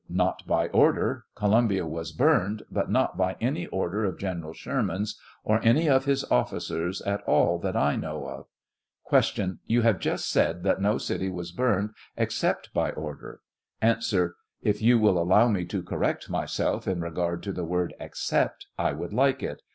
Not by order; Columbia was burned, but not by any order of General Sherman's, or any of his officers at all that I know of. Q. You have just said that no city was burned except by order ? A. If you will allow me to correct myself in regard 49 to the word "except," I would like it.